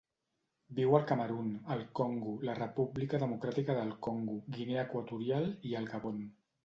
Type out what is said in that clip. Viu al Camerun, el Congo, la República Democràtica del Congo, Guinea Equatorial i el Gabon.